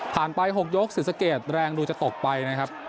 ผ่านไป๖ยกสินสเกตแรงดูจะตกไปนะครับ